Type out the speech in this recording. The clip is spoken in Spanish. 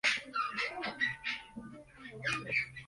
La sede del condado es Atchison, y su mayor ciudad es Atchison.